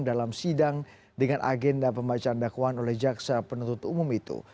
dalam sidang dengan agenda pembacaan dakwaan oleh jaksa penuntut umum itu